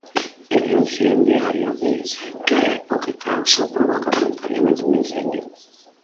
E de incendiario di que é o que causa ou provoca voluntariamente un incendio.